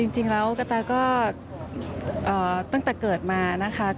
จริงกะตาตั้งแต่เกิดมา